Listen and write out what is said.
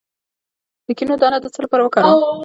د کینو دانه د څه لپاره وکاروم؟